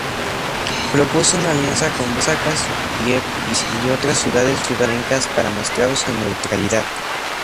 Propuso una alianza con Brujas, Ypres y otras ciudades flamencas para mostrar su neutralidad.